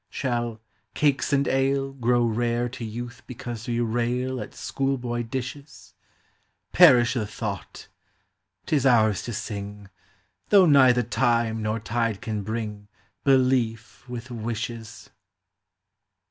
Shall " cakes and ale " Grow rare to youth because we rail At school boy dishes ? Perish the thought ! 'T is ours to sing, Though neither Time nor Tide can bring Belief with wishes.